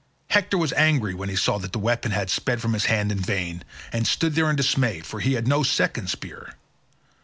Hector was angry when he saw that the weapon had sped from his hand in vain, and stood there in dismay for he had no second spear.